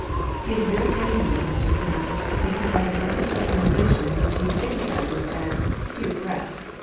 He is very angry with me just now, because I have written a translation which he stigmatises as peu correct.